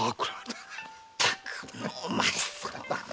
ったくもうお前さんは！